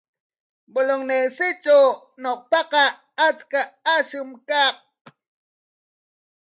Bolegnesitraw ñawpaqa achka ashnum kaq.